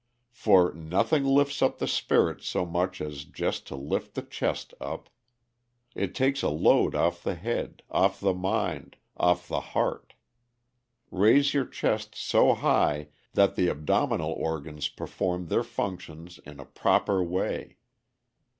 For "nothing lifts up the spirits so much as just to lift the chest up. It takes a load off the head, off the mind, off the heart. Raise your chest so high that the abdominal organs perform their functions in a proper way.